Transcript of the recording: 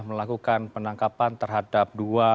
melakukan penangkapan terhadap